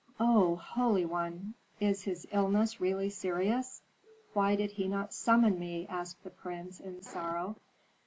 "Oh, holy one! Is his illness really serious? Why did he not summon me?" asked the prince, in sorrow.